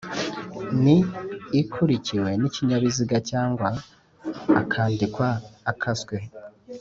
“ni” ikurikiwe n’ikinyazina cyangwa akandikwa akaswe